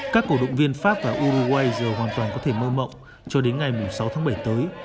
các cổ động viên pháp và urugways giờ hoàn toàn có thể mơ mộng cho đến ngày sáu tháng bảy tới